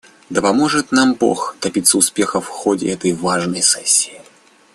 Да поможет нам Бог добиться успеха в ходе этой важной сессии!